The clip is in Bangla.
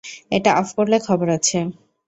এটা অফ করলে খবর আছে।